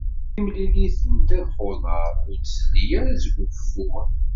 Timlilit n ddabex n uḍar ur d-telli ara seg ugeffur.